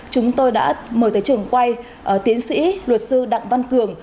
chúng tôi đã mời tới trường quay tiến sĩ luật sư đặng văn cường